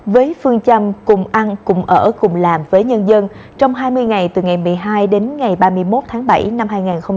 với phương châm cùng ăn cùng ở cùng làm với nhân dân trong hai mươi ngày từ ngày một mươi hai đến ngày ba mươi một tháng bảy năm hai nghìn hai mươi